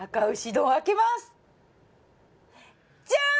ジャーン！